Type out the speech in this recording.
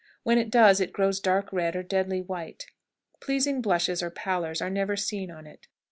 When it does, it grows dark red or deadly white. Pleasing blushes or pallors are never seen on it.